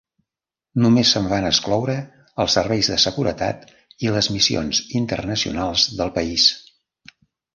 Només se'n van excloure els serveis de seguretat i les missions internacionals del país.